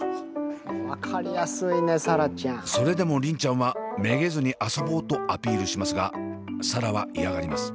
それでも梨鈴ちゃんはめげずに遊ぼうとアピールしますが紗蘭は嫌がります。